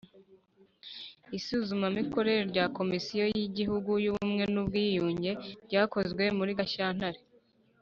Isuzumamikorere rya Komisiyo y Igihugu y Ubumwe n Ubwiyunge ryakozwe muri Gashyantare